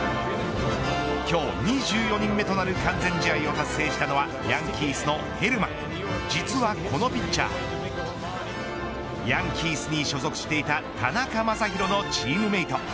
今日２４人目となる完全試合を達成したのはヤンキースのヘルマン実はこのピッチャーヤンキースに所属していた田中将大のチームメート。